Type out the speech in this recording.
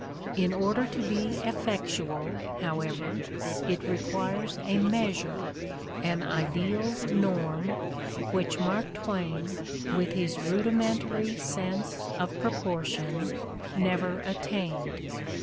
In order to be effectual, however, it requires a measure, an ideal norm, which Mark Twain, with his rudimentary sense of proportion, never attained.